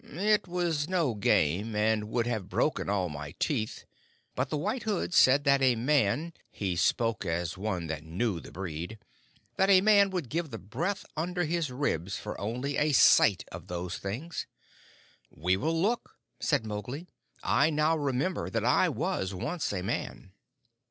"It was no game, and would have broken all my teeth; but the White Hood said that a man he spoke as one that knew the breed that a man would give the breath under his ribs for only the sight of those things." "We will look," said Mowgli. "I now remember that I was once a man."